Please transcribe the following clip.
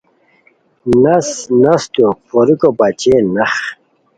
نس نستو پوریکو بچین نخ